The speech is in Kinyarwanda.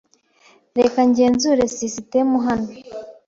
Reka ngenzure sisitemu hano.